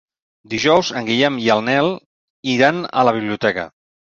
Dijous en Guillem i en Nel iran a la biblioteca.